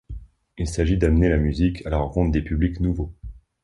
Il s'agit d'amener la musique à la rencontre des publics nouveaux.